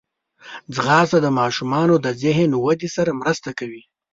ځغاسته د ماشومانو د ذهن ودې سره مرسته کوي